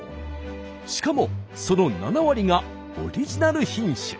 しかもその７割がオリジナル品種。